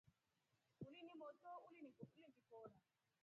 Uli ni motro ulingikora.